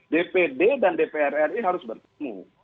dpd dan dpr ri harus bertemu